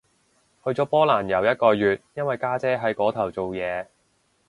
去咗波蘭遊一個月，因為家姐喺嗰頭做嘢